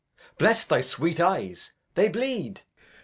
Bless thy sweet eyes, they bleed.